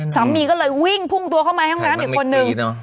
แน่นอนมันไม่กรี๊ดเนอะ